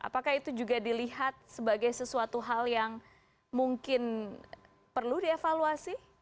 apakah itu juga dilihat sebagai sesuatu hal yang mungkin perlu dievaluasi